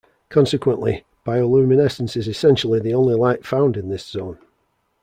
Consequently, bioluminescence is essentially the only light found in this zone.